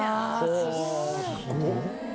すごっ！